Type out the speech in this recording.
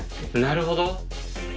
なるほど。